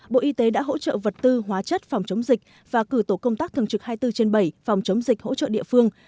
bộ y tế đã hỗ trợ vật tư hóa chất phòng chống dịch và cử tổ công tác thường trực hai mươi bốn trên bảy phòng chống dịch hỗ trợ địa phương